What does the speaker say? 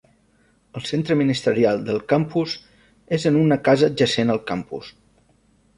El Centre Ministerial del campus és en una casa adjacent al campus.